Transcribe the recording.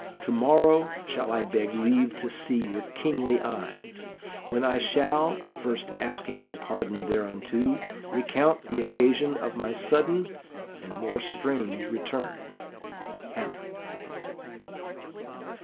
To morrow shall I beg leave to see your kingly eyes: when I shall, first asking your pardon thereunto, recount the occasion of my sudden and more strange return. "HAMLET."